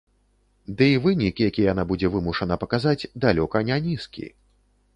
Дый вынік, які яна будзе вымушана паказаць, далёка не нізкі.